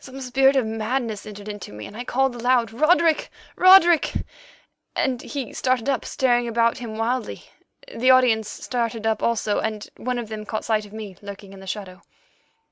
Some spirit of madness entered into me, and I called aloud, 'Roderick, Roderick!' and he started up, staring about him wildly. The audience started up also, and one of them caught sight of me lurking in the shadow.